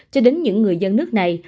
cho đến những người dân nước này